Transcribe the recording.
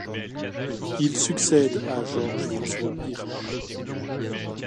Il succède à Georges-François Hirsch.